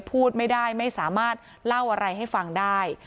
พูดไม่ได้ไม่สามารถเล่าอะไรให้ฟังได้